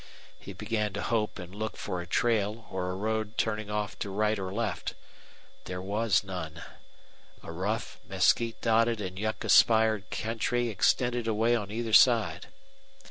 He began to hope and look for a trail or a road turning off to right or left. There was none. A rough, mesquite dotted and yucca spired country extended away on either side.